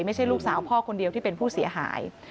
ไม่ใช่ลูกสาวพ่อคนเดียวที่เป็นผู้เสียหาย